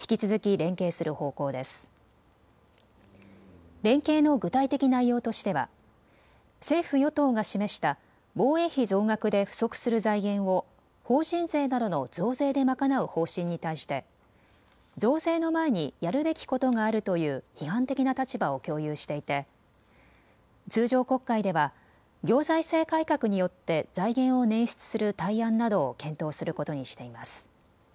連携の具体的内容としては政府与党が示した防衛費増額で不足する財源を法人税などの増税で賄う方針に対して増税の前にやるべきことがあるという批判的な立場を共有していて通常国会では行財政改革によって財源を捻出する対案などを検討することにしています。